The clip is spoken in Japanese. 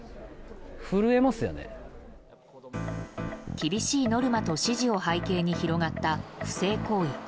厳しいノルマと指示を背景に広がった不正行為。